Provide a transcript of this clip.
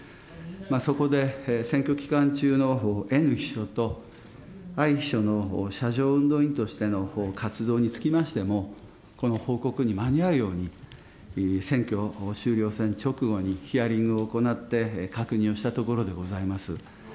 そこで選挙期間中のＮ秘書と、Ｉ秘書の車上運動員としての活動につきましても、この報告に間に合うように、選挙終了せん直後にヒアリングを行って、確認をしたところでございます。